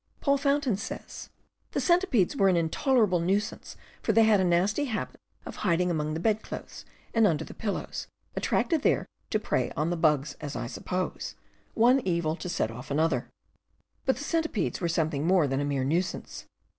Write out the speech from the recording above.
Paul Fountain says: The centipedes were an intolerable nuisance for they had a nasty habit of hiding among the bed clothes and under the pillows, attracted there to prey on the bugs, as I suppose: one evil as a set off to another. But the centipedes were something more than a mere nuisance.